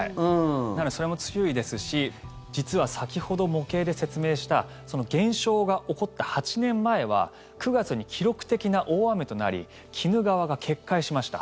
それも注意ですし実は先ほど模型で説明したその現象が起こった８年前は９月に記録的な大雨となり鬼怒川が決壊しました。